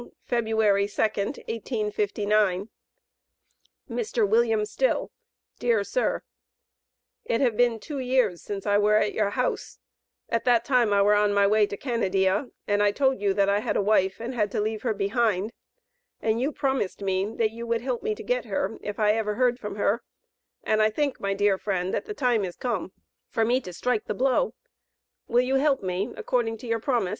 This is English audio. Feb. 2, 1859. MR. WM. STILL: DEAR SIR: It have bin two years since I war at your house, at that time I war on my way to cannadia, and I tould you that I had a wife and had to leave her behind, and you promiest me that you would healp me to gait hir if I ever heaird from hir, and I think my dear frend, that the time is come for me to strick the blow, will you healp me, according to your promis.